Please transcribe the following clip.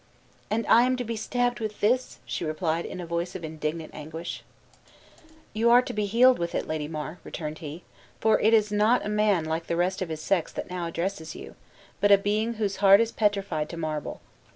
"And I am to be stabbed with this?" she replied, in a voice of indignant anguish. "You are to be healed with it, Lady Mar," returned he, "for it is not a man like the rest of his sex that now addresses you, but a being whose heart is petrified to marble.